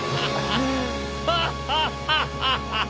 ハハハハハハ！